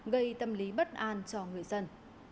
gây tâm lý bất an cho người dân